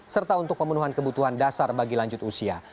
serta untuk pemenuhan kebutuhan dasar bagi lanjut usia